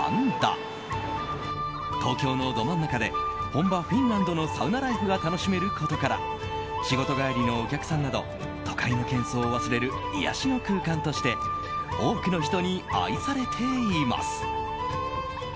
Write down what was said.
東京のど真ん中で本場フィンランドのサウナライフが楽しめることから仕事帰りのお客さんなど都会の喧騒を忘れる癒やしの空間として多くの人に愛されています。